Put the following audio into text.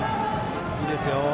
いいですよ。